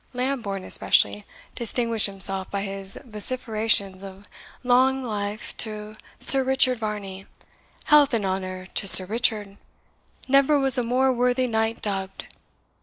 Lambourne, especially, distinguished himself by his vociferations of "Long life to Sir Richard Varney! Health and honour to Sir Richard! Never was a more worthy knight dubbed!"